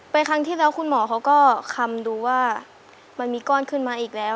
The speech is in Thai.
ครั้งที่แล้วคุณหมอเขาก็คำดูว่ามันมีก้อนขึ้นมาอีกแล้ว